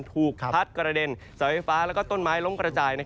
ถูกพัดกระเด็นเสาไฟฟ้าและต้นไม้ล้มกระจาย